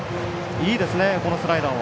いいですね、このスライダー。